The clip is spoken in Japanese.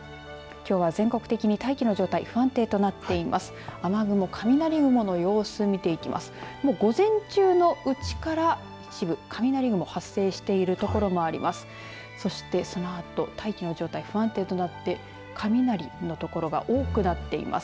きょうは全国的に大気の状態不安定となっています。